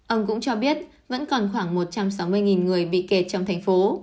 ông cũng cho biết vẫn còn khoảng một trăm sáu mươi người bị kẹt trong thành phố